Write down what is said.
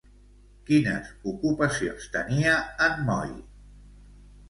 Quines ocupacions tenia en Moí?